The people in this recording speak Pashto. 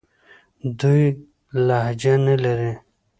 دوی لهجه نه لري.